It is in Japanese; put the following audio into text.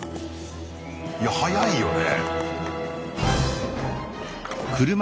いや速いよね。